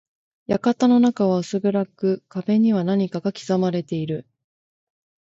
館の中は薄暗く、壁には何かが刻まれている。